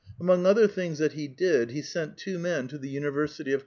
Among other things that he did, he sent two men to the University of > 18,900 acres.